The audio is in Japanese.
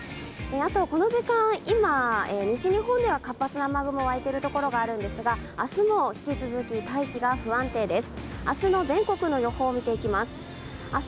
あとこの時間、今、西日本では活発な雨雲湧いているところがあるんですが明日も引き続き大気が不安定です。